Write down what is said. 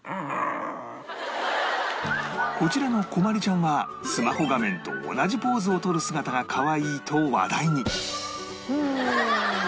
こちらのコマリちゃんはスマホ画面と同じポーズをとる姿がかわいいと話題に